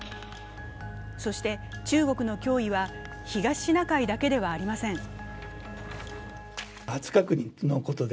そして中国の脅威は東シナ海だけではありません。